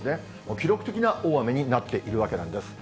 記録的な大雨になっているわけなんです。